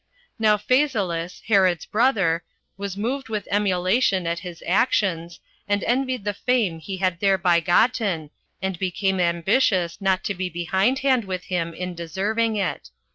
Now Phasaelus, Herod's brother, was moved with emulation at his actions, and envied the fame he had thereby gotten, and became ambitious not to be behindhand with him in deserving it.